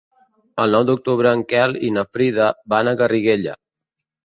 El nou d'octubre en Quel i na Frida van a Garriguella.